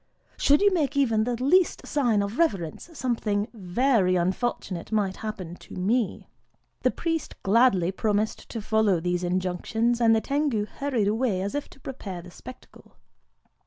Should you make even the least sign of reverence, something very unfortunate might happen to me." The priest gladly promised to follow these injunctions; and the Tengu hurried away as if to prepare the spectacle.